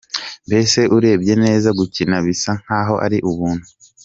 Mbese urebye neza gukina bisa nkaho ari ubuntu.